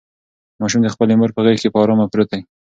ماشوم د خپلې مور په غېږ کې په ارامه پروت دی.